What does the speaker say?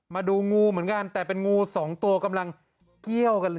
มาดูงูเหมือนกันแต่เป็นงูสองตัวกำลังเกี้ยวกันเลย